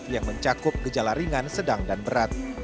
yang mencakup gejala ringan sedang dan berat